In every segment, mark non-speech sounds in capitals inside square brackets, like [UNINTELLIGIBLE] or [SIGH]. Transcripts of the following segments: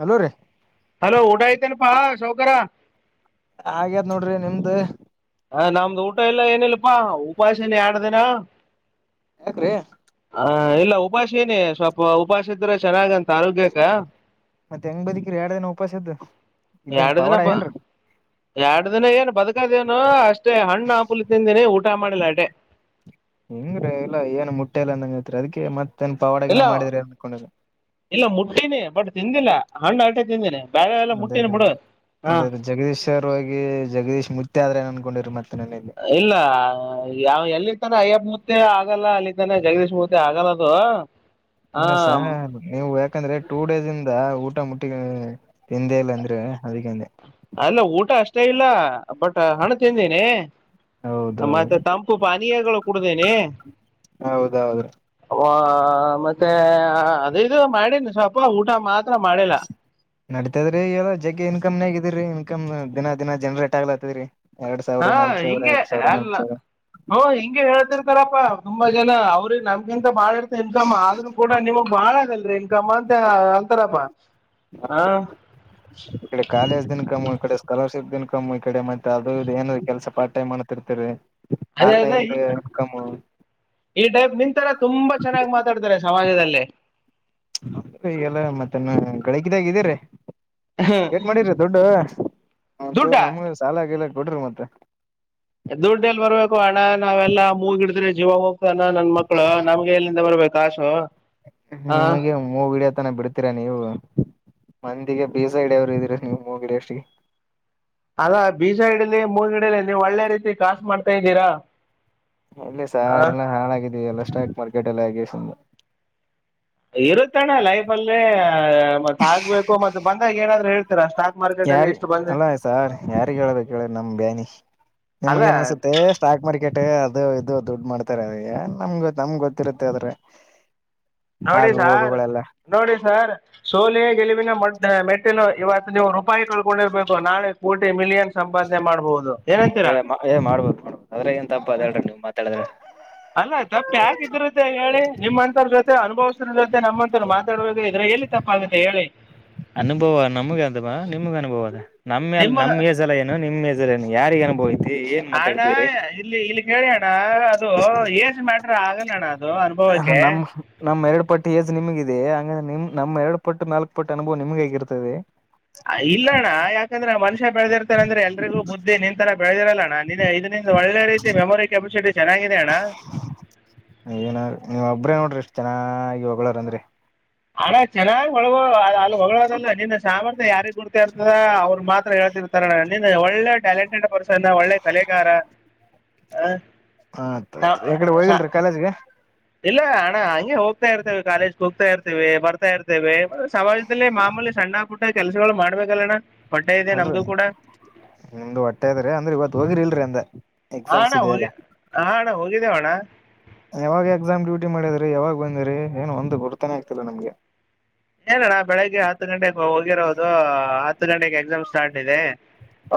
Hello ರೀ hello, ಊಟ ಅಯ್ತೆನಪ್ಪ ಸೌಕಾರ ಹಾಗ್ಯದ್ ನೋಡ್ರಿ ನಿಮ್ದ ಹ ನಮ್ದು ಊಟ ಎಲ್ಲ ಏನಿಲ್ಲಪಾ ಉಪಾಸನೆ ಎರಡ ದಿನ ಯಾಕ್ರೀ ಹ ಇಲ್ಲ ಉಪವಾಸ ಇನೀ ಸ್ವಲ್ಪ ಉಪವಾಸ ಇದ್ರೆ ಚೆನ್ನಾಗ ಮತ್ತೆ ಹೆಂಗ್ ಬದಕರಿ ಎರಡನ ಉಪಾಸದ್ದ ಇದೇನ್ ಪವಾಡ ಏನ್ರಿ ಎರಡ್ ದಿನ ಏನು ಬದಕದೇನು ಅಷ್ಟೇ ಹಣ್ಣು ಆಪುಲಿ ತಿಂದೀನಿ ಊಟ ಮಾಡಿಲ್ಲ ಅಟೇ ಹಿಂಗ್ರೀ ಇಲ್ಲ ಏನ್ ಮುಟ್ಟೆಲ್ಲ ಅಂದಂಗ ಹೇತ್ರಿ ಅದಕ್ಕೆ ಮತ್ ಇಲ್ಲ ಇಲ್ಲ ಮುಟ್ಟಿನಿ ಬಟ್ ತಿಂದಿಲ್ಲ ಹಣ್ಣು ಆಟೇ ತಿಂದೇನೆ ಅದೇ ಅದ ಅದೇ ಜಗದೀಶ್ ಸರ್ ಹೋಗಿ ಜಗದೀಶ್ ಮುಚ್ಚ ಆದ್ರೆ ಅನ್ಕೊಂಡಿರತ್ತೆ ಇಲ್ಲ ಯಾವ ಎಲ್ಲಿ ಇರ್ತಾರ ಅಯ್ಯಪ್ಪ ಮೂರ್ತಿ ಆಗಲ್ಲ ಅಲ್ಲಿದ್ದಾನೆ ಜಗದೀಶ್ ಮೂರ್ತಿ ಆಗಲ್ಲ ಅದು ಹಾ ಇಲ್ಲ ಸ ನೀವು ಯಾಕಂದ್ರೆ ಟೂ ಡೇಸ್ ಇಂದ ಟ ಮುಟ್ಟಿಗೆ ಎಂದೇ ಇಲ್ಲ ಅಂದ್ರೆ ಅದಕ್ಕಂದೆ ಅಲ್ಲ ಊಟ ಅಷ್ಟ ಇಲ್ಲ ಬಟ್ ಹಣ ತಿಂದೇನಿ ಮತ್ತೆ ಹೌದೌದು ತಂಪು ಪಾನೀಯಗಳು ಕುಡ್ದೇನಿ ಹೌದೌದ್ರಿ ಹ ಮತ್ತೆ ಅದು ಇದು ಮಾಡಿನಿ ಸ್ವಲ್ಪ ಊಟ ಮಾತ್ ತರ ಮಾಡಲ್ಲ ನಡಿತದ್ರೀ ಇವೆಲ್ಲ ಜಗ್ಗಿ ಇನ್ಕಮ್ನೇಗಿದೀರಿ ಇನ್ಕಮ್ ದಿನಾ ದಿನಾ ಜನ್ರೇಟ್ ಆಗ್ಲತ್ತದ್ರೀ ಹಾ ಹಿಂಗೆ ಅಲ್ಲ ಹೂ ಹಿಂಗೆ ಹೇಳ್ತಿರ್ತಾರಪ್ಪಾ ತುಂಬಾ ಇಲ್ಲ ಇಲ್ಲ ಅವ್ರಿಗೆ ನಮ್ಗಿಂತ ಬಾಳ ಇರ್ತ ಇನ್ಕಮ್ ಆದ್ರೂ ಕೂಡ ನಿಮಗ್ ಬಾಳ ಆಗಲ್ರಿ ಇನ್ಕಮ್ ಅಂತ ಅಂತಾರಪ್ಪ. ಹಾ ಹೌದು ಈಕಡೆ ಕಾಲೇಜ್ ದು ಇನ್ಕಮ್. ಈ ಕಡೆ ಸ್ಕಾಲರ್ಶಿಪ್ ದ ಇನ್ಕಮ್ ಈ ಕಡೆ ಮತ್ತೆ ಅದು ಇದು ಏನು ಕೆಲಸ ಪಾರ್ಟೈಮ್ ಮಾಡ್ತಿರ್ತಿರಿ. ಅದೇ ಅದೇ ಈ ಈ ಟೈಪ್ ನಿ ಈ ತರ ತುಂಬಾ ಚೆನ್ನಾಗಿ ಮಾತಾಡ್ತಾರೆ ಸಮಾಜದಲ್ಲೇ. ಬೆಳಕಿದಾಗಿದಿರಿ ಏಟ್ ಮಾಡಿರಿ ದುಡ್ಡು. ದುಡ್ಡ ಒಂಚೂರು ನಮಗೂ ಸಾಲ ಗೀಲಾ. ಕೊಡ್ರಿ ಮತ್ತೆ ಹೇ ದುಡ್ಡೇಲ್ ಬರ್ಬೇಕು ಅಣ್ಣ ನಾವೆಲ್ಲಾ ಮೂಗ ಹಿಡಿದ್ರೆ ಜೀವ ಹೋಗ್ತಾವ ನನ್ ಮಕ್ಳು ನಮ್ಗೆಲ್ಲಿಂದ ಬರ್ಬೇಕು ಕಾಸು ಆ ನಿಮಗೇನ್ ಮೂಗು ಇಡಿಯೋ ತನ ಬಿಡ್ತೀರಾ ನೀವು. ಮಂದಿಗೆ ಬೀಜ ಹಿಡಿಯೋರು ಇದೀರ ನೀವು ಮೂಗ ಹಿಡಿಯೋ ಅಷ್ಟಿಗೆ. ಅದ ಬೀಜ ಇಡಲಿ ಮೂಡಿಡಲಿ ನೀವ್ ಒಳ್ಳೆ ರೀತಿ ಕಾಸ್ ಮಾಡ್ತಾ ಇದ್ದೀರಾ? ಎಲ್ಲಿ ಆ ಸಾರ್ ಎಲ್ಲಾ ಹಾಳಾಗಿದೀವಿ ಎಲ್ಲ. [UNINTELLIGIBLE] ಸುಮ್ನೆ ಇರು ತೆನ ಲೈಫಲ್ಲಿ ಮತ್ ಆಗ್ಬೇಕು ಮತ್ ಬಂದಾಗೇ ನಾಧ್ರು ಹೇಳ್ತೀರ ಷ್ಟ ಯಾರಿ ಅಲ್ಲ ಸಾರ್ ಯಾರಿಗ್ ಹೇಳ್ಬೇಕು ಹೇಳ್ ನಮ್ ಬ್ಯಾನಿ ಅಲ್ಲ ನಿಮ್ಗೆ ಅನ್ಸುತ್ತೆ ಸ್ಟಾಕ್ ಮಾರ್ಕೆಟ್. ಟ್ಟೆ ಅದು ಇದು ದುಡ್ ಮಾಡ್ತಾರೆ ಅಯ್ಯ ನಮ್ಗ್ ತ್ತಮ್ ಗೊತ್ತಿರುತ್ತೆ ಅದ್ರೆ. ನೋಡಿ ಸಾರ್ ನೋಡಿ ಸರ್. ಸೋಲೆ ಗೆಲುವಿನ ಮಡ್ಯಾ ಮೇಟ್ಟಿಲು ಇವತ್ ನೀವು. ಪಾಯ್ ಕಳ್ಕೊಂಡಿರ್ಬೇಕು ನಾಳೆ. ಕೋಟಿ ಮಿಲಿಯನ್ ಸಂಪಾದ್ನೆ ಮಾಡ್ಬೋದು. ಏ ಮ ಹೇ ಮಾಡ್ಬೇಕು ಕಣೋ ಅದರಾಗ ಏನ್ ತಪ್ಪ ಅದ ಹೇಳ್ರಿ ನೀವ್ ಮಾತಾಡಧೆನ್ ಅಲ್ಲ ತಪ್ಪ ಯಾಕೆ ಇದಿರುತ್ತೆ ಹೇಳಿ ನಿಮ್ಮ್ಂತರ್ ಜೊತೆ ಅನುಭವಿಸೋರ ಜೊತೆ ನಮ್ಮಂತೋರು ಮಾತಾ ಇದ್ರಲ್ಲಿ ಎಲ್ಲಿ ತಪ್ಪ ಆಗುತ್ತೆ ಹೇಳಿ ಅನುಭವ ನಮ್ಗೆ ಅಂತವಾ ನಿಮ್ಗೆ ಅನುಭವ ಅದ ನಮ್ಮ ನಿಮ್ಮ ನಮ್ಮೇಜಲ್ಲ ಏನು ನಿಮ್ಮೇಜಲ್ಲ ಏನು ಯಾರಿಗ ಅನುಭವ ಐತಿ? ಏನ್ ಹಾಂ ಅಣ್ಣ ಮಾತಾಡ್ತಿದ್ರಿ ಇಲ್ಲಿ ಇಲ್ಲಿ ಹೇಳಿ ಅಣ್ಣ ಹಾ ಅದು ಏಜ್ ಮ್ಯಾಟ್ರ ಆಗಲ್ಲ [INAUDIBLE] ಅನುಭವಕ್ಕೆ ನಮ ನಮ್ ಎರಡು ಪಟ್ ಏಜ್ ನಿಮಗಿದೆ ಹಂಗ್ ನಿಮ್ ನಮ್ಮ ಎರಡು ಪಟ್ಟು ನಾಲ್ಕ ಪಟ್ಟು ಅನುಭವ್ ನಿಮ್ಗ ಆಗಿರ್ತದೆ ಆ ಇಲ್ಲಣ್ಣ ಯಾಕಂದ್ರೆ ಮನುಷ್ಯ ಬೆಳದಿರ್ತಾನ ಅಂದ್ರೆ ಎಲ್ರಿಗುಬುದ್ಧಿ ನಿನ್ ತರ ಬೆಳದಿರಲ್ಲ [UNINTELLIGIBLE] ನಿನ್ನೆ ಇದರಿಂದ ಒಳ್ಳೆ ರೀತಿ ಮೆಮೊರಿ ಕ್ಯಾಪಸಿಟಿ ಚೆನ್ನಾಗಿದೆ ಅಣ್ಣ ಇಷ್ಟು ಚೆನಾಗಿ ಹೊಗಳರ್ ಅಂದ್ರೆ ಹಣ ಚೆನ್ನಾಗಿ ಒಳಗ ಅಲ್ಲ ಹೊಗಳೋದಲ್ಲ ನಿನ್ನ ಸಾಮರ್ಥ್ಯ ಯಾರಿಗ್ ಗುರ್ತಿ ಇರ್ತದ ಅವ್ರು ಮಾತ್ರ ಹೇಳ್ತಿರ್ತಾರಣನ್ನ ಒಳ್ಳೆ ಟ್ಯಾಲೆಂಟೆಡ್ ಪರ್ ನ ಒಳ್ಳೆ ಕಲೆಗಾರ ಹಾ ಆತ್ ಆತ್ ಈ ಕಡೆ ಹೋಗಿಲ್ರಿ ಕಾಲೇಜ್ಗೆ ಇಲ್ಲ ಅಣ್ಣ ಹಂಗೆ ಹೋಗ್ತಾ ಇರ್ತೇವಿ ಕಾಲೇಜ್ ಹೋಗ್ತಾ ಇರ್ತೀವಿ ಬರ್ತಾ ಇರ್ತೇವಿ ಸಮಾಜದಲ್ಲಿ ಮಾಮೂಲಿ ಸಣ್ಣ ಪುಟ್ಟ ಕೆಲ್ಸಗಳು ಮಾಡ್ಬೇಕಲ್ಲಣ್ಣ ಹೊಟ್ಟೆ ಇದೆ ಅಲ್ರೀ ನಮ್ದು ಕೂಡ ನಿಮ್ದು ಹೊಟ್ಟೆದ್ರಿ ಅಂದ್ರೆ ಇವತ್ ಹೋಗಿರಿಲ್ರಿ ಅಂದೆ ಹಾ ಎಕ್ಸಾಮ್ಸ್ ಅಣ್ಣ ಇದೆ ಅಲ್ಲ ಹೋಗಿದ್ ಹಾ ಅಣ ಹ ಹೋಗಿದ್ದೇವಣ್ಣ ಯಾವಾಗ ಎಕ್ಸಾಮ್ ಡ್ಯೂಟಿ ಮಾಡಿದ್ರಿ ಯಾವಾಗ ಬಂದಿರಿ ಏನು ಒಂದು ಗುರ್ತನೇ ಆಗ್ತಿಲ್ಲ ನಮ್ಗೆ. ಏನಣ್ಣ ಬೆಳಿಗ್ಗೆ ಹತ್ತು ಗಂಟೆಕ್ಕಾ ಹೋಗಿರೋದು ಹತ್ತು ಗಂಟೆಗೆ ಎಕ್ಸಾಮ್ ಸ್ಟಾರ್ಟ್ ಇದೆ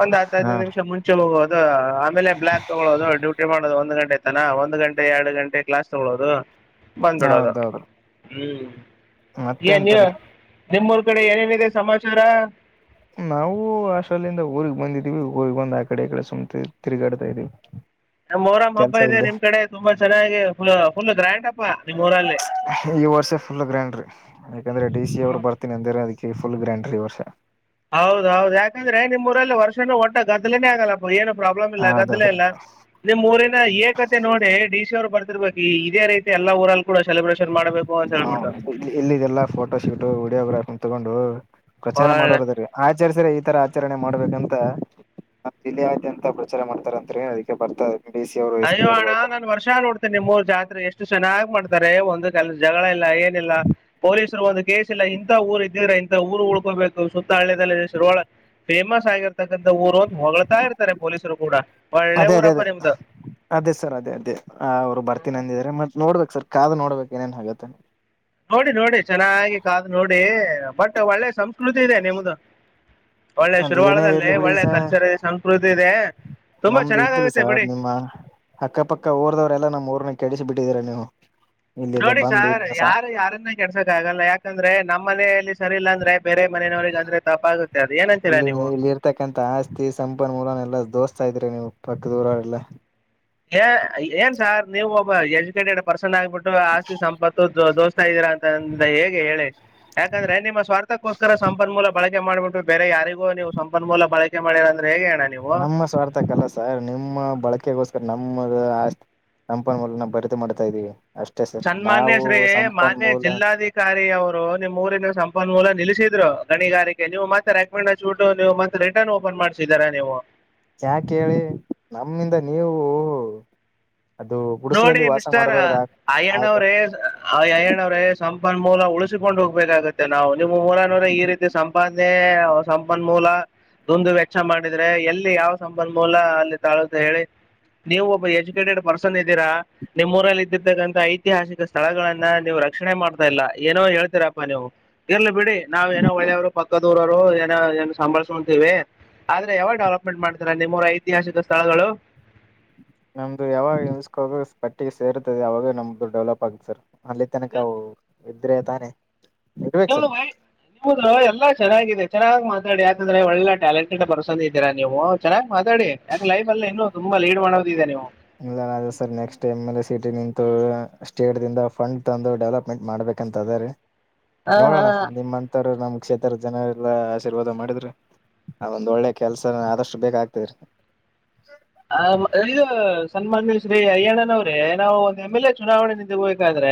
ಒಂದು ಹತ್ತು ಹಾ ಹದಿನೈದ್ ನಿಮಿಷ ಮುಂಚೆ ಹೋಗೋದು ಆಮೇಲೆ ಬ್ಲಾಕ್ ತಗೊಳ್ಳೋದು ಡ್ಯೂಟಿ ಮಾಡೋದು ಒಂದು ಗಂಟೆ ನಾನಾ ಒಂದ್ ಗಂಟೆ ಎರಡು ಗಂಟೆ ಕ್ಲಾಸ್ ತಗೊಳ್ಳೋದು. ಬಂದ್ಬಿಡೋದು ಹೌದೌದು ಹ್ಮ್ ಮತ್ತೆ ಏ ನ್ಯ ಅಂತಾನೆ ನಿಮ್ಮೂರ್ ಕಡೆ ಏನೇನಿದೆ ಸಮಾಚಾರ. ನಾವು ಹಾಸ್ಟೆಲ್ ಇಂದ ಊರಿಗ್ ಬಂದಿದೀವಿ ಊರಿಗ್ ಬಂದ ಆ ಕಡೆ ಈ ಕೆಡೆ ಸುಮ್ ತಿರುಗ್ ತಿರುಗಾಡ್ತಾ ಇದೀವಿ. ಮೊಹರಂ ಹಬ್ಬ ಕೆಲ್ಸ ಇದೆ ಇಲ್ದೆ ನಿಮ್ ಕಡೆ ತುಂಬಾ ಚೆನ್ನಾಗಿ ಫುಲ್ ಫುಲ್ ಗ್ರ್ಯಾಂಡ್ ಆಗಿ ಈ ವರ್ಷ ಫುಲ್ ಗ್ರ್ಯಾಂಡ್ರಿ ಯಾಕಂದ್ರೆ ಡಿ ಸಿ ಅವರು ಹ್ಮ್ ಬರ್ತನಿ ಅಂದರ ಅದಕ್ಕೆ. ಫುಲ್ ಗ್ರ್ಯಾಂಡ್ ರಿ ಈ ವರ್ಷ ಹೌದೌದು ಯಾಕಂದ್ರೆ ನಿಮ್ಮೂರಲ್ಲಿ ವರ್ಷನೂ ಒಟ್ಟ ಗದ್ದಲೇನೆ ಆಗಲ್ಲಪ್ಪ ಏನಪ್ಪ ಪ್ರಾಬ್ಲಮ್ ಇಲ್ಲ ಗದ್ದಲ ಹೌದೌದ್ರೀ ಇಲ್ಲ ನಿಮ್ ಊರಿನಾ ಏಕ ತೆ ನೋಡಿ ಡಿ ಸಿ ಅವ್ರು. ಬರ್ತಿರ್ಬೇಕು ಇದೇ ರೀತಿ ಎಲ್ಲ ಊರಲ್. ಹ ಇಲ್ಲಿ ಇಲ್ಲಿದೆಲ್ಲ ಫೋಟೋ ಶೂಟ್ ವಿಡಿಯೋಗ್ರಾಫಿ ತಗೊಂಡು ಪ್ರಚಾರ ಒಳ್ಳೆ ಮಾಡೋರಿದಾರಿ ಆಚರಿ ಸರಿ ಇದ್ ಇತರ ಆಚರಣೆ ಮಾಡ್ಬೇಕಂತ ಜಿಲ್ಲೆಯಾದ್ಯಂತ ಪ್ರಚಾರ ಮಾಡ್ತಾರತ್ರಿ ಅದಕ್ಕೆ ಬರ್ತಾ. ಡಿ ಸಿ ಅವರು ಎಸ್ ಪಿ ಅಯ್ಯೋ ಅವರು ಅಣ್ಣ ಬರ್ತಾರೆ ನಾನ್ ವರ್ಷ ನೋಡ್ತೇನಿಮ್ ಮೂರ್ ಜಾತ್ರೆ ಎಷ್ಟ್. ಎಷ್ಟು ಚೆನ್ನಾಗಿ ಮಾಡ್ತಾರೆ ಒಂದು ಸಲ ಜಗಳ ಇಲ್ಲ [UNINTELLIGIBLE] ಏನಿಲ್ಲ ಪೊಲೀಸರು ಒಂದು ಕೇಸ್ ಇಲ್ಲ ಇಂತ ಊರು ಇದ್ದ್ರ ಊರು ಉಳ್ಕೋಬೇಕು ಸುತ್ತ ಹಳ್ಳಿಯದಲ್ಲಿ ಶರ್ ವಳ್ಳ ಫೇಮಸ್ ಆಗಿರುತ್ತೆ. [UNINTELLIGIBLE] ಊರು ಹೊಗಳ್ತಾ ಇರ್ತಾರೆ ಪೊಲೀಸರೂ ಕೂಡ ಒಳ್ಳೆ ಅದೇ ಅದೇ ಊರಪ್ಪ ಅದೇ ನಿಮ್ದು. ಅದೇ ಸರ್ ಅದೇ ಅದೇ ಅವ್ರು ಬರ್ತೀನಿ ಅಂದಿದ್ದಾರೆ ಮತ್ ನೋಡು. [UNINTELLIGIBLE] ಸರ್ ಕಾದು ನೋಡ್ಬೇಕ್ ಏನೇನ್ ಹಾಗುತ್ತೆ ನೋಡಿ ನೋಡಿ ಚೆನ್ನಾಗಿ ಕಾದ್ ನೋಡಿ ಹೇ ಬಟ್ ಒಳ್ಳೆ ಸಂಸ್ಕೃತಿ ಇದೆ ನಿಮ್ದು. ಒಳ್ಳೆ ಅದೇ ಏನೇ ಶುರುವಾಳದಲ್ಲಿ ಇರ್ಲಿ ಬಿಡಿ ಒಳ್ಳೆ ಸರ್ ಕಲ್ಚರ್ ಇದೆ ಸಂಸ್ಕೃತಿ ಇದೆ ತುಂಬಾ ನಮ್ದು ಇದ್ದಿಲ್ಲ ಚೆನ್ನಾಗಾಗುತ್ತೆ ಬಿಡಿ ಸಾರ್ ನಿಮ್ಮ ಅಕ್ಕಪಕ್ಕ ಊರ್ದವ್ರೆಲ್ಲಾ ನಮ್ ಊರ್ನನೆಲ್ಲ ಕೆಡಿಸಿ ಬಿಟ್ಟಿದೀರಾ ನೀವು. ಇಲ್ಲಿದ್ದ ನೋಡಿ ಬಂದು ಸಾರ್ ಇಲ್ಲಿ ಸ ಯಾರ ಯಾರನ್ನ ಕೆಡ್ಸಕ್ ಆಗಲ್ಲ ಯಾಕಂದ್ರೆ ನಮ್ಮನೆಯಲಿ. ಸರಿಲ್ಲ ಅಂದ್ರೆ ಆಯ್ತ್ ಇಲ್ಲಿ ನೀವು ಇಲ್ಲಿ ಇರ್ತಕ್ಕಂಥ ಆಸ್ತಿ ಸಂಪನ್ಮೂಲನ ಎಲ್ಲ ದೋಸ್ತ್ ಸರಿ ಇದ್ರಿರಿ ನೀವು ಪಕ್ಕ ದೂರ ಆಲ್ಲ [INAUDIBLE] ಹೇ ಹೇ ಏನ್ ಸಾರ್ ನೀವು [UNINTELLIGIBLE] ಎಜುಕೇಟೆಡ್ ಪರ್ಸ್ ಚೆನ್ನಾಗಿಬಿಟ್ಟು ಆಸ್ತಿ ಸಂಪತ್ತು ದೋಷ ಇದೀರಾ ಅಂತಂದ ಹೇಗೆ ಹೇಳಿ ಯಾಕಂದ್ರೆ ನಿಮ್ಮ ಸ್ವಾರ್ಥಕ್ಕೋಸ್ಕರ ಸಂಪನ್ಮೂಲ ಬಳಕ್ [UNINTELLIGIBLE] ಮಾಡ್ಬಿಟ್ಟು ಬೇರೆ ಯಾರಿಗೂ ನೀವು ಸಂಪನ್ಮೂಲ ಬಳಕೆ ಮಾಡರ್ರ ನಮ್ಮ ಸ್ವಾರ್ಥಕಲ್ಲ ಸರ್ ನಿಮ್ಮ ಬಳಕೆಗೋಸ್ ನಮ್ಮ ನಮ್ಮಪಲ್ಲ ನಾವು ಬರೆದು ಮಾಡ್ತಾ ಇದ್ದೀವಿ. ಸನ್ಮಾನ್ಯ ಶ್ರೀ ಮಾನ್ಯ ಜಿಲ್ಲಾಧಿಕಾರಿ ಅವರು ನಿಮ್ ಊರಿನ ಸಂ ನ್ ಮೂಲ ನಿಲ್ಲಿಸಿದ್ರು ಗಣಿಗಾರಿಕೆ ನೀವು ಮತ್ತೆ ರೆಕಮೆಂಡ್ ಹಚ್ಬಿಟ್ಟು ನೀವು ಮತ್ತೆ ರಿಟರ್ನ್ ಓಪನ್ ಮಾಡ್ಸಿದರೆ ನೀವು. ಯಾಕೇಳಿ ನಮ್ಮಿಂದ ನೀವು. ಅದು ನೋಡ್ರಿ ಗುಡಿಸಲಲ್ಲಿ ವಾಸ ಮಿಸ್ಟಾರ್ ಮಾಡಬಾರ್ದ ಅಯ್ಯಣ್ಣ ಅವ್ರೇ ಆಗ್ಬಾರ್ದಂತ ಅಯ್ಯಣ್ಣವ ಅವ್ರೇ ಸಂ ಪಾನ್ ಮೂಲ ಉಳಿಸಿಕೊಂಡ್ ಹೋಗ್ಬೇಕಾಗತ್ತೆ ನಾವು. ಇಲ್ಲಿ ನಿಮೂರನ್ ನೂರ ಈ ರೀತಿ ಸಂಪಾದನೆ. ಸಂಪನ್ಮೂಲ ದುಂದು ವೆಚ್ಚ ಮಾಡಿದ್ರೆ ಎಲ್ಲಿ ಯಾವ ಸಂಪನ್ಮೂಲ ಅಲ್ಲಿ ತಾಳುತ್ತೆ ಹೇಳಿ ನೀವು ಒಬ್ಬ ಎಜುಕೇಟೆಡ್ ಪರ್ ಸನ್ ಇದೀರಾ ನಿಮ್ಮ್ ಊರಲ್ಲಿ ಇದ್ದಿರ್ತಕ್ಕಂತ ಐತಿಹಾಸಿಕ ಸ್ಥಳಗಳನ್ನ ನೀವು ರಕ್ಷಣೆ ಮಾಡ್ತಾ ಇಲ್ಲಾ ಏನೋ ಹೇಳ್ತೀರಪ್ಪಾ ನೀವು ಇರ್ಲಿ ಬಿಡಿ ನಾವ್ ಏನೋ ಒಳ್ಳೆಯವರು ಪಕ್ಕದೂರವರು ಏನೋ ಏನ ಸಂಭಾಸ್ಕೊಂತೀವಿ ಆದ್ರೆ ಯಾವ ಡೆವಲಪ್ಮೆಂಟ್ ಮಾಡ್ತೀರಾ ನಿಮ್ಮೂರ ಐತಿಹಾಸಿಕ ಸ್ಥಳಗಳು. ನಮ್ದು ಯಾವಾಗ [UNINTELLIGIBLE] ಪಟ್ಟಿಗೆ ಸೇರ್ತದೆ ಯಾವಾಗ ನಮ್ದು ಡೆವಲಪ್ ಆಗ್ಗತ್ ಸರ. ಅಲ್ಲಿ ತನಕವು. ಇದ್ರೆ ತಾನೆ. ಇರ್ಬೇಕು ಸರ್ ನಿಲ್ ಬೈ [UNINTELLIGIBLE] ಎಲ್ಲಾ ಚೆನ್ನಾಗಿದೆ ಚೆನ್ನ್ ಮಾತಾಡಿ ಯಾಕಂದ್ರೆ ಒಳ್ಳೆಟ್ಯಾಲೆಂಟೆಡ್ ಪರ್ಸನ್ ಇದ್ದೀರಾ ನೀವು ಚೆನ್ನಾಗಿ ಮಾತಾಡಿ ಯಾಕೆ ಲೈಫ್ಲ್ ಇನ್ನು ತುಂಬಾ ಲೀಡ್ ಮಾಡೋದಿದೆ ನೀವು. ಇನ್ ಏನ್ ಅದ sir next M L A city ನಿಂತು ಸ್ಟೇಟ್ ದಿಂದ ಫಂಡ್ ತಂದು ಡೆವಲಪ್ಮೆಂಟ್ ಮಾಡ್ಬೇಕಂತ ಅದ್ರ್ ರಿ. ಬಟ್ ಹಾ ಹಾ ನೋಡೋಣ ನಿಮ್ಮ್ಂತರು ನಮ್ ಕ್ಷೇತ್ರದ ಜನ ಎಲ್ಲ ಆಶೀರ್ವಾದ ಮಾಡಿದ್ರೆ ಅದ್ ಒಂದಳ್ಳೆ ಕೆಲ್ಸ ಆದಷ್ಟು ಬೇಕಾಗಗ್ತಿದ್ರಿ. ಆ ಇದು ಸನ್ಮಾನ್ಯ ಶ್ರೀ ಅಯಣ್ಣನವ್ರೆ ನಾವು ಒಂದು ಎ್ ಎಲ್ ಎ ಚುನಾವಣೆ ನಿಂತಗಬೇಕಾದ್ರೆ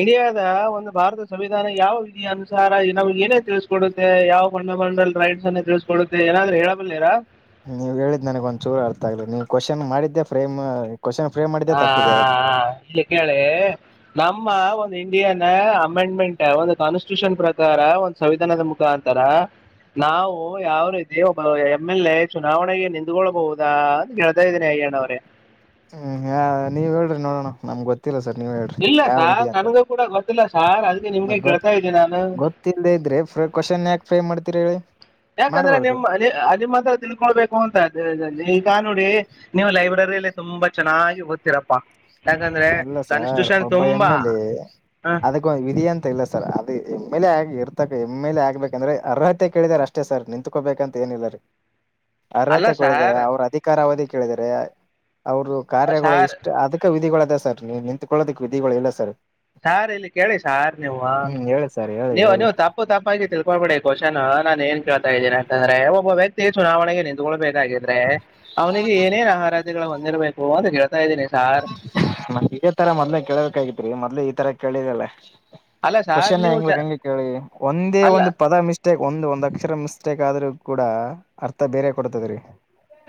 ಇಂಡಿಯಾದ ಒಂದು ಭಾರತ ಸಂವಿಧಾನ ಯಾವ ವಿಧಿಯ ಅನುಸಾರ ನಮ್ಗೆ ಏನೇ ತಿಳ್ಸಕೊಡುತ್ತೆ ಯಾವ ಬಂಡಮಂಡಲ್ ರೈಟ್ಸ್ ಅನ್ನ ತಿಳ್ಸಕೊಡುತ್ತೆ ಏನಾದ್ರೂ ಹೇಳಬಲ್ಲಿರಾ. ನೀವ್ ಹೇಳಿದ್ ನನಗ್ ಒಂದ್ ಚೂರು ಅರ್ಥ ಆಗ್ಲಿ ನೀವು ಕ್ವೆಶ್ಚನ್ ಮಾಡಿದ್ದೆ ಫ್ರೇಮ್ ಕ್ವಶನ್ ಫ್ರೇಮ್ ಮಾಡಿದ್ದೆ ಹಾ ತಪ್ಪಿದೆ ಅದಕ್ಕೆ ಇಲ್ಲಿ ಕೇಳಿ ನಮ್ಮ ಒಂದ್ ಇಂಡಿಯನ್ ನ ಅಮೆಂಡ್ಮೆಂಟ್ ಒಂದು ಕಾನ್ಸ್ಟಿಟ್ಯೂಷನ್ ಪ್ರಕಾರ ಒಂದ್ ಸಂವಿಧಾನದ ಮುಖಾಂತರ ನಾವು ಯಾವ ರೀತಿ ಒಬ್ಬ ಎಮ್ ಎಲ್ ಎ ಚುನಾವಣೆಗೆ ನಿಂತಕೊಳ್ಬಹುದಾ ಅಂತ ಕೇಳ್ತಾ ಇದ್ದೀನಿ ಅಯ್ಯ್ಣ ಅವರೇ. ಹ್ಮ್ ಹ ನೀವ್ ಹೇಳ್ರರಿ ನೋಡೋಣ ನಮ್ಗೆ ಗೊತ್ ಇಲ್ಲ ಸರ್ ನೀವೇ ಹೇಳ್ರಿ ಇಲ್ಲ ಯಾವ ಸರ್ ವಿಧಿ ಅಂತ ನನಗೂ ಕೂಡ ಗೊತ್ತಿಲ್ಲ ಸರ್ ಅದಕ್ಕೆ ನಿಮ್ಗೆ ಮತ್ತ್ ಗೊತ್ ಕೇಳ್ತಾ ಇದ್ದೀನಿ ನಾನು ಗೊತ್ತಿಲ್ಲದೆ ಇದ್ರೆ ಮತ್ ಕೊಶನ್ ಯಾಕ್ ಫ್ರೇಮ್ ಮಾಡ್ತೀರ್. ತಿರಿ. ಯಾಕಂದ್ರೆ ನಿಮ್ ನಿಮ್ಮ ಹತ್ರ ತಿಳ್ಕೊಳ್ಬೇಕು ಅಂತ ಈಗ ನೋಡಿ. ನೀವು ಲೈಬ್ರರಿಯಲ್ಲಿ ತುಂಬಾ ಚೆನ್ನಾಗಿ ಓ್ತತಿರಪ್ಪಾ. ಅಲ್ಲ ಸರ್ ಒಬ್ಬ ಎಮ್ ಎಲ್ ಎ ಹ, ಅದಕ್ಕ ವಿಧಿ ಅಂತ ಇಲ್ಲ ಸರ್ ಅದು ಎಮ್ ಎಲ್ ಆಗೀರ್ ತ್ತೆ ಎಮ್ಮೇಲೆ ಆಗ್ಬೇಕಂದ್ರೆ ಅರ್ಹತೆ ಕೇಳಿದಾರ ಅಷ್ಟೇ ಸರ್ ನಿತ್ಕೋಬೇಕಂತ ಏನಿಲ್ಲ ರೀ. ಅಲ್ಲ ಅರ್ಹತೆ ಕೆಳಿದ್ದಾರೆ ಸರ್ ಅವ್ರ ಅಧಿಕಾರ ಅವದಿ ಕೇಳಿದರೆ. ಅವರು ಕಾರ್ಯಗಳು ಸರ್ ಇಷ್ಟು ಅದಕ್ಕೆ ವಿಧಿಗಳ. ಸರ್ ನೀವು ನಿಂತ್ಕೊಳ್ಳೋದಕ್ ವಿಧಿಗಳು ಇಲ್ಲ ಸರ್. ಸಾರ್ ಇಲ್ಲಿ ಕೇಳಿ ಸಾರ್ ನೀವು ಹ್ಮ್ ಹೇಳಿ ಸರ್ ಹೇಳಿ ನೀವು ಹೇಳಿ ನೀವು ತಪ್ಪು ತಪ್ಪಾಗಿ ತಿಳ್ಕೊಬೇಡಿ ಕೋಶನ್ ನಾನನ್ ಏನ್ ಇದ ಯಾಕಂದ್ರೆ ಒಬ್ಬ ವ್ಯಕ್ತಿ ಚುನಾವಣೆಗೆ ನಿಂತ್ಕೊಬೇಕೇಕಾಗಿದ ಅಂದ್ರೆ ಅವನಿಗೆ ಏನೇನ ಆಹಾರ ಹೊಂದಿರಬೇಕು ಅಂತ ಹೇಳ ನಮ ಇದೇ ತರ ಮೊದ್ಲೇ ಕೇಳಳ್ಬೇಕಾಗಿತ್ರಿ ಮೊದ್ಲೆ ಈ ತರ ಕೇಳಿದಲ್ಲ ಅಲ್ಲ ಸಾರ್ ಕ್ವನ್ ನೀವು ಚ ಹೆಂಗ್ಲಕ್ ಹಂಗೆ ಕೇಳಿ ಒಂದೇ ಅಲ್ಲ ಒಂದು ಪದ ಮಿಸ್ಟೇಕ್ ಒಂದು ಒಂದ್ ಅಕ್ಷರ ಮಿಸ ಮಿಸ್ಟೇಕ್ ಆದರೂ ಕೂಡ ಅರ್ಥ ಬೇರೆ ಕೊಡ್ತದೆ ರೀ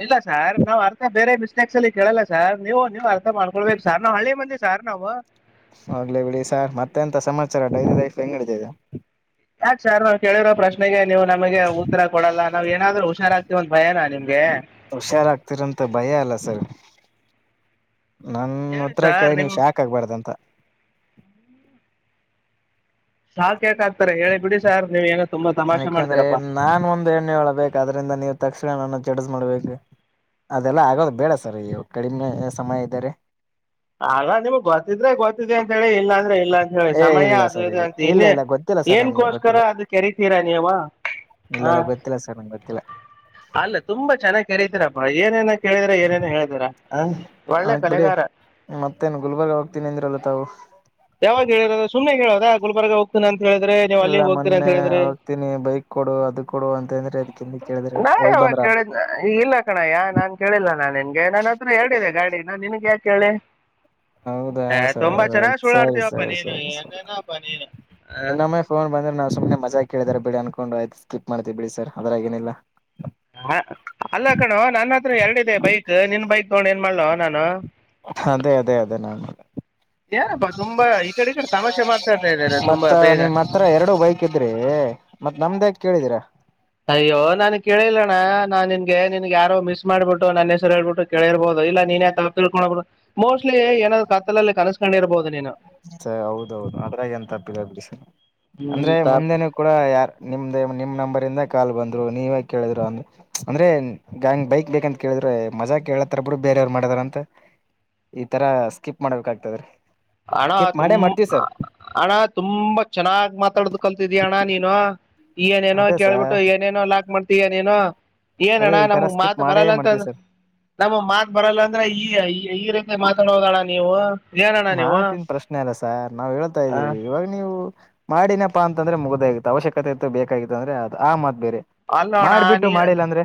ಇಲ್ಲ ಸಾರ್ ನಾವ್ ಅರ್ಥ ಬೇರೆ ಮಿಸ್ಟೇಕ್ಸ್ ಅಲ್ಲಿ ಕೇಳಲ್ಲ ಸಾರ್ ನೀವು ನೀವ್ ಅರ್ಥ ಮಾಡ್ಕೊಳ್ಬೇಕು ಸಾರ್ ನಾವ್ ಹಳ್ಳಿ ಮಂದಿ ಸಾರ್ ನಾವು ಹೋಗ್ಲೇ ಬಿಳಿ ಸಾರ್ ಮತ್ತೆಂತ ಸಮಾಚಾರ ಡೈಲಿ ಐ ಲೈಫ್ ಹೆಂಗ ನಡ್ದಿದೆ ಯಾಕ ಸರ್ ನಾವು ಕೇಳಿರೋ ಪ್ರಶ್ ನೀವು ನಮಗೆ ಉತ್ತರ ಕೊಡಲ್ಲ ನಾವು ಏನಾದ್ರೂ ಹುಷಾರಾಗ್ತೀವ ಅಂತ ಭಯನ ನಿಮ್ ದೆ ಹುಷಾರಾಗ್ತಿರಂತ ಭಯ ಅಲ್ಲ ಸರ್ ನನ್ ಹೇಳಿ ಉತ್ತರ ಸರ್ ಕೇಳಿ ನಿಮ್ ನೀವು ಶಾಕ್ ಆಗ್ಬಾರ್ದ ಅಂತ ಸಾಕ್ಕಕ್ ಆಗ್ತಾರೆ ಹೇಳಿ ಬಿಡಿ ಸಾರ್ ನೀವ ಏನ್ ಯಾಕೆಂದ್ರೆ ನಾನ್ ಒಂದ್ ಎಣ್ಣೆ ಒಳ ಬಕ್ ಅದ್ರಿಂದ ನೀ್ ತಕ್ಷಣ ನನ್ನ ಚಡಜ್ ಮಾಡ್ಬೇಕ ಅದೆಲ್ಲ ಆಗೋದು ಬೇಡ ಸರ್ ಈವ ಕಡಿಮೆ ಸಮಯ ಇದರೆ ಆಗ ನಿಮ್ಗ್ ಗೊತ್ತಿದ್ರೆ ಗೊತ್ತಿದೆ ಅಂತ ಹೇಳಿ ಇಲ್ಲಾ ಇಲ್ಲ ಅಂತ ಹೇಳಿ ಏ ಸಮಯ ಇಲ್ಲ ಅದು ಸರ್ ಇದು ಇಲ್ಲ ಅಂತ ಇಲ್ಲ ಇನ್ನೇ ಇಲ್ಲ ಗೊತ್ತಿಲ್ಲ ಸರ್ ನಮ್ಗೆ ಏನ್ಕೋಸ್ಕರ ಗೊತ್ತಿಲ್ಲ ಅದು ಕೆರತೀರಾ ನೀವ ಇಲ್ಲ ಹ ಇಲ್ಲ ಗೊತ್ತಿಲ್ಲ ಸರ್ ನಮ್ಗೆ ಗೊತ್ತಿಲ್ಲ ಅಲ್ಲ ತುಂಬಾ ಚೆನ್ನಾಗ್ ಕೆರತೀರಾ ಬಾ ಏನೇನ ಕೇಳಿದಿರ ಏನೇನು ಹೇಳಿದಿರಾ ಹ ಒಳ್ಳೆ ಕಲೆಗಾರ ತ್ತೇನ್ ಗುಲ್ಬರ್ಗ ಹೋಗ್ತೀನೀ ಅಂದ್ರಲ್ಲಾ ತಾವು ಯಾವಾಗ ಹೇಳಿರೋ ಸುಮ್ಮನೆಗೆ ಹೇಳೋದ ಗುಬರ್ಗ ಹೋಗ್ತುನ ಅಂತ ಿದ್ರೆ ನೀವ್ ಇಲ್ಲ ಅಲ್ಲಿಗ್ ಹೋಗ್ತೀರ ಅಂತ ಮೊನ್ನೆ ಹೇಳಿದ್ರೆ ಹೋಗ್ತೀನಿ ಬೈಕ್ ಕೊಡು ಅದು ಕೊಡು ಅಂತ ಅಂದ್ರೆ ಅದಕ್ಕಿಂದ ಕೇಳಿದ್ರೆ ನಾ ಹೋಗ್ ಯಾವಾಗ ಬಂದ್ರ ಅಂತ ಕೇಳಿದ ಈ ಇಲ್ಲ ಕಣಯ್ಯ ನಾನ್ ಕೇಳಿಲ್ಲ ನಾ ನಿನ್ಗೆ ನಾನ ಹತ್ರ ಹೇಳಿದೆ ಗಾಡಿನ ನಿನ್ಗೆ ಯಾ ಕೆಳಿ ಹೌದಾ ಸ ಆಯ್ ಸರಿ ಸುಳ್ಳಾಡ್ತೀವಪ್ಪ ಸರಿ ನೀನು ಸರಿ ಸರಿ ಏನೇನಪ್ಪ ನೀನು ಇನ್ನೊಮ್ಮೆ ಫೋನ್ ಬಂದ್ರೆ ನಾವು ಸುಮ್ನೆ ಮಜಾ ಕೇಳಳ್ ಬಿಡಿ ಅನ್ಕೊಂಡು ಆಯ್ತ ಸ್ಕಿಪ್ ಮಾಡ್ತೀವಿ ಬಿಡಿ ಸ ಅದರಾಗ ಏನಿಲ್ಲ ಹ, ಅಲ್ಲ ಕಣೋ ನನ್ನ ಹತ್ರ ಎರಡಿದೆ ಬೈಕ್ ನಿನ್ ಬೈಕ್ ತಗೊಂಡು ಏನ್ ಮಾಡ್ಲವ ನಾನು ಅದೇ ಅದೇ ಅದೇ ನನ್ ಏನಪ್ಪ ತುಂಬಾ ಈ ಕಡೆ ಈ ಕಡೆ ತಮಾಷೆ ಮಾಡ್ತಾ ಇದ್ದಾರೆ ಮತ್ತ ತುಂಬಾ ಬೇಗ ನಿಮ್ ಹತ್ರ ಎರಡು ಬೈಕ್ ಇದ್ರಿ ಮತ್ ನಮ್ದೇ ಕೇಳಿದೀರಾ ಅಯ್ಯೋ ನನ್ಗ್ ಕೇಳಿಲ್ಲಣ್ಣ ನಾನ್ ನಿನ್ಗೆ ನಿನ್ಗೆ ಯಾರೋ ಮಿಸ್ ಮಾಡ್ಬಿಟ್ಟು ನನ್ನ ಹೆಸರ್ ಹೇಳ್ಬಿಟ್ಟ ಕೇಳಿಬಹುದು ಇಲ್ಲ ನೀ ತಿಳ್ಕೊಂಡೋಗಬ ಮೋಸ್ಟ್ ಏನಾದ ಕತ್ತಲಲ್ಲ ಕನಸು. ಕಂಡ ಇರ್ಬಹದ ನೀನು. ಸ ಹೌದೌದು ಅದ್ರಾಗ ಎಂತಿ ಬಿಿಸ ಹ್ಮ್, ಅಂದ್ರೆ ತಪ್- ಮುಂದೆನು ಕೂಡ ಯಾರ ನಿಮ್ದ ನಿಮ್ ನಂಬರ್. ಕಾಲ್ ಬಂದ್ರು ನೀವೇ ಕೇಳ್ರು ಅ ಅಂದ್ರೆ ಗಂಗ್ ಬೈಕ್ ಬೇಕಂತ ಕೇಳಿದ್ರ ಮಜಾ ಕೇಳತ್ತಾರ ಬಿ ಬೇರವರು ಮಾಡಿದಾರ ಅಂತ ಈತರ ಸ್ಕಿಪ್ ಮಾಡಬೇಕಾಗಗ್ತದ್ರೀ. ಅಣ ತು ಅಣ ತುಂಬಾ ಚೆನ್ನಾಗ್ ಮಾತಾಡ್ದ ಕಲ್ತಿದೀಯಣ್ಣ ನೀನು. ಏನೇನೋ ಅದೇ ಸರ್ ಕೇಳ್ಬಿಟ್ಟು ಏನೇನೋ ಲಾಕ್ ಮಾಡ್ತೀವಿ ನೀನು. ಏನ ಅದೇ ಅಣ್ಣ ಈ ತರ ನಮಗ್ ಸ್ಕಿಪ್ ಮಾತ್ ಮಾಡೇ ಬರಲ್ಲ ಮಾಡ್ತೀವಿ ಅಂತಂದ್ರ ಸರ್ ನಮ ಮಾತ್ ಬರಲ್ಲ ಅಂದ್ರ ಈ ಈ. ಮಾತಾಡೋುದಣ್ಣ ನೀವು ಇದೇನಣ್ಣ. ಮಾತಿನ ಪ್ರಶ್ನೆ ಅಲ್ಲ ಸಾರ್ ನಾವು ಹೇಳ್ತಾ ಆ, ಇದ್ದೀವಿ ಇವಾಗ ನೀವು. ಮಾಡಿನಪ್ಪಾ ಅಂತಂದ್ರೆ ಮುಗದ್ದಾಗಿತ್ತು ಅವಶ್ಯಕತೆ ಇತ್ತು ಬೇಕಾಗಿತ್ತು ಅಂದ್ರೆ ಅದು ಆ ಮತ್ ಬೇರೆ. ಅಲ್ಲ ಅಣ ಮಾಡ್ಬಿಟ್ಟು ನೀ ಮಾಡಿಲ್ಲ ಅಂದ್ರೆ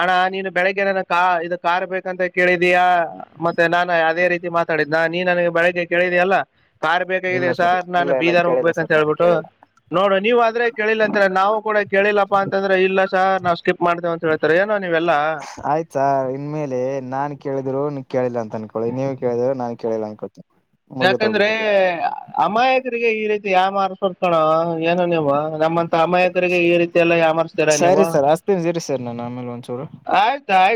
ಅಣ್ಣ ನೀನು ಬೆಳಗ್ಗೆ ನನ್ನ ಕಾ ಇದ ಕಾರ್ ಬೇಕಂತ ಕೇಳಿದೀಯಾ ಮತ್ತೆ ನಾನು ಅದೇ ರೀತಿ. ಮಾತಾಡಿದ ನಾ ನೀ ನನಗೆ ಬೆಳಗ್ಗೆ ಕೇಳಿದಯಲ್ಲ. ಕಾರ್ ಇಲ್ಲ ಬೇಕಾಗಿದೆ ಸರ್ ನಾನು ಇಲ್ಲ ಇಲ್ಲ ಬೀದರ್ ಕೇಳಿಲ್ಲ ಹೋಗ್ಬೇಕ ಅಂತ ಸರ್ ನಾನು ಹೇಳ್ಬಿಟ್ಟು ಕೇಳಿಲ್ಲ ನೋಡು ನೀವ್ ಆದ್ರೆ ಕೇಳಿಲ್ಲ ಅಂತರ ನಾವು ಕೂಡ ಕೇಳಿಲ್ಲಪ್ಪಾ ಅಂತ. ಇಲ್ಲ ಸರ ನಷ. ಆಯ್ತಾ ಇನ್ಮೇಲೆ ನಾನ್ ಕೇಳಿದ್ರು. ಕೇಳಿಲ್ಲ ಅನ್ಕೊಳ್ಳಿ ನೀವು ಕೇಳಿದ್ರ ನಾ ಕೇಳಿಲ್ಲ ಅನ್ಕೊಳ್ಳಿ. ಯಾಕಂದ್ರೆ ಅಮಾಯಕರಿಗೆ ಈ ರತಿ ಯಾವ ಮಾರ್ತರ್ಕೋಣ ಕಣೋ. ಏನು ನೀವು ನಮ್ಮಂತ ಅಮಾಯಕರಿಗೆ ಈ ರೀತಿ ಎಲ್ಲ ಯಮರ್ಸ್ತೀರ ಸರಿ ನೀವು ಸರ್ ಅಸ್ತೀನಿ ಇರಿ ಸರ್ ನಾನು ಆಮೇಲೆ ಒಂಚೂರು ಆಯ್ತ ಆಯ್ತು.